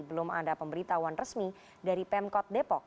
belum ada pemberitahuan resmi dari pemkot depok